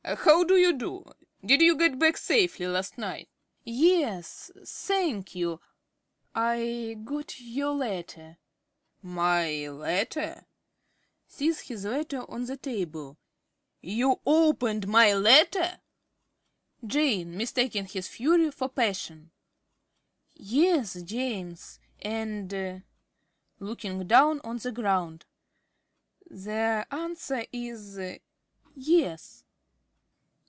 How do you do? Did you get back safely last night? ~Jane.~ Yes, thank you. (Coyly.) I got your letter. ~Bootle.~ My letter? (Sees his letter on the table. Furiously.) You opened my letter! ~Jane~ (mistaking his fury for passion). Yes, James. And (looking down on the ground) the answer is "Yes."